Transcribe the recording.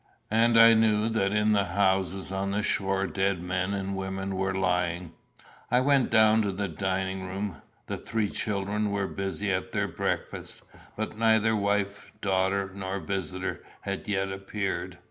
And I knew that in the houses on the shore dead men and women were lying. I went down to the dining room. The three children were busy at their breakfast, but neither wife, daughter, nor visitor had yet appeared.